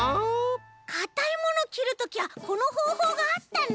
かたいものきるときはこのほうほうがあったね！